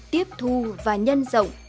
tiếp thu và nhân rộng